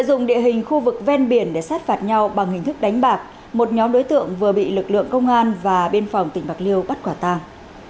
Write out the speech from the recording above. nội dung địa hình khu vực ven biển để sát phạt nhau bằng hình thức đánh bạc một nhóm đối tượng vừa bị lực lượng công an và bên phòng tỉnh bạc liêu bắt quả tang